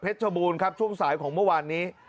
พริกเจ้าบูนครับช่วงสายของเมื่อวานนี้